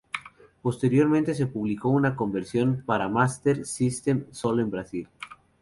Posteriormente se publicó una conversión para Master System solo en Brasil.